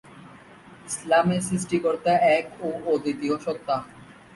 ইসলামে সৃষ্টিকর্তা এক ও অদ্বিতীয় সত্ত্বা।